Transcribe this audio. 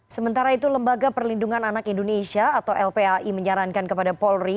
sementara itu lembaga perlindungan anak indonesia atau lpai menyarankan kepada polri